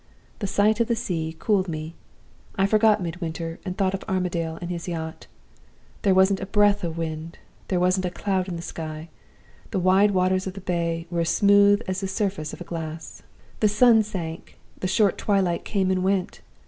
The sight of the sea cooled me. I forgot Midwinter, and thought of Armadale and his yacht. There wasn't a breath of wind; there wasn't a cloud in the sky; the wide waters of the Bay were as smooth as the surface of a glass. "The sun sank; the short twilight came and went.